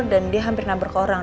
dan dia hampir nabrak orang